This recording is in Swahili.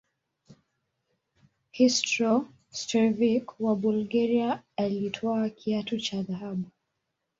hristo stoichkovic wa bulgaria alitwaa kiatu cha dhahabu